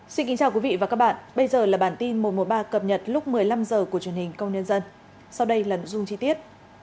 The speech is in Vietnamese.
xin kính chào quý vị và các bạn bây giờ là bản tin một trăm một mươi ba cập nhật lúc một mươi năm h của truyền hình công nhân dân sau đây là nội dung chi tiết